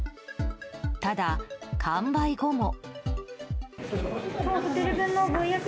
ただ、完売後も。